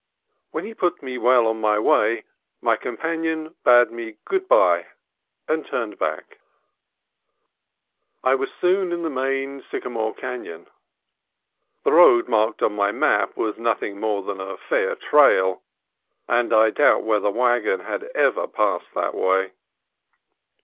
When he had put me well on my way my companion bade me good bye and turned back. I was soon in the main Sycamore Canon. The road marked on my map was nothing more than a fair trail, and I doubt whether wagon had ever passed that way.